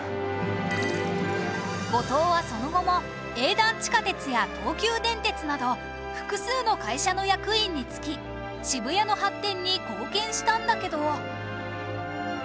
五島はその後も営団地下鉄や東急電鉄など複数の会社の役員に就き渋谷の発展に貢献したんだけど